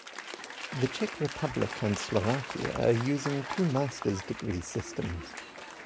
The Czech Republic and Slovakia are using two master's degree systems.